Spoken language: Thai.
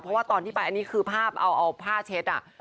เพราะว่าตอนที่ไปอันนี้คือภาพเอาผ้าเช็ดอ่ะ